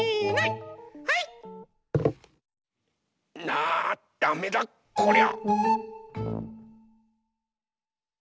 あダメだこりゃ。